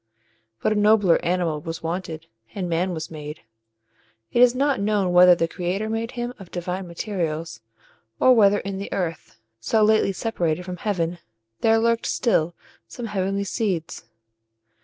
But a nobler animal was wanted, and Man was made. It is not known whether the creator made him of divine materials, or whether in the earth, so lately separated from heaven, there lurked still some heavenly seeds.